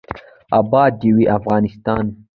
اباد دې وي افغانستان.